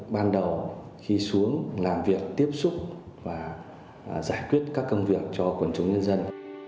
ban đầu khi xuống làm việc tiếp xúc và giải quyết các công việc cho quần chúng nhân dân